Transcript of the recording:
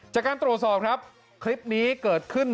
จากการตรวจสอบครับคลิปนี้เกิดขึ้น